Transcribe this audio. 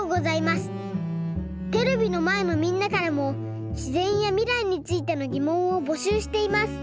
テレビのまえのみんなからもしぜんやみらいについてのぎもんをぼしゅうしています。